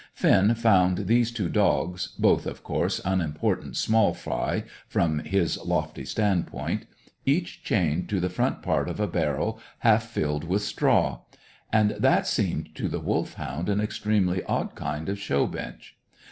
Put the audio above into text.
Finn found these two dogs both, of course, unimportant small fry, from his lofty standpoint each chained to the front part of a barrel half filled with straw; and that seemed to the Wolfhound an extremely odd kind of show bench.